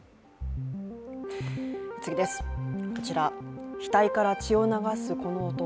こちら、額から血を流すこの男。